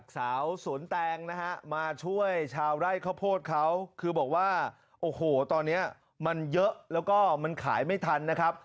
สาวสวนแตงนะฮะมาช่วยชาวไร่ข้าวโพดเขาคือบอกว่าโอ้โหตอนนี้มันเยอะแล้วก็มันขายไม่ทันนะครับ